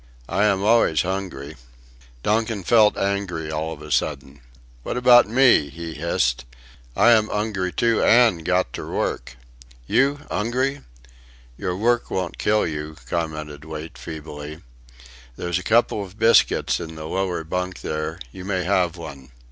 I am always hungry." Donkin felt angry all of a sudden. "What about me," he hissed, "I am 'ungry too an' got ter work. You, 'ungry!" "Your work won't kill you," commented Wait, feebly; "there's a couple of biscuits in the lower bunk there you may have one.